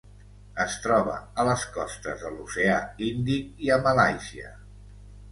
Es troba a les costes de l'Oceà Índic i a Malàisia.